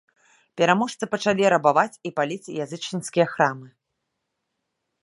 Пераможцы пачалі рабаваць і паліць язычніцкія храмы.